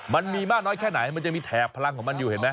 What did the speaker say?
มันมีมากน้อยแค่ไหนมันจะมีแถบพลังของมันอยู่เห็นไหม